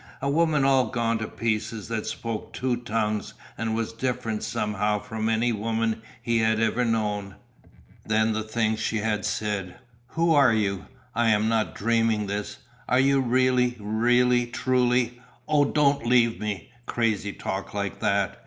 A woman all gone to pieces that spoke two tongues and was different somehow from any woman he had ever known. Then the things she had said: "Who are you? I am not dreaming this? Are you really, really, truly Oh, don't leave me." Crazy talk like that.